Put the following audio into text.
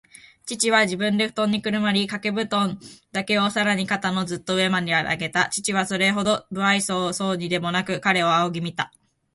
父は自分でふとんにくるまり、かけぶとんだけをさらに肩のずっと上までかけた。父はそれほど無愛想そうにでもなく、彼を仰ぎ見た。